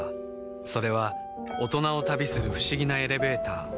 それは大人を旅する不思議なエレベーター